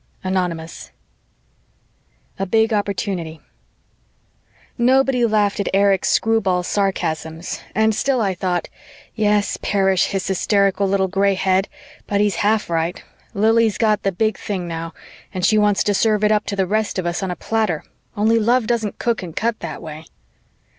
Anonymous A BIG OPPORTUNITY Nobody laughed at Erich's screwball sarcasms and still I thought, "Yes, perish his hysterical little gray head, but he's half right Lili's got the big thing now and she wants to serve it up to the rest of us on a platter, only love doesn't cook and cut that way."